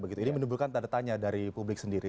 ini menimbulkan tanda tanya dari publik sendiri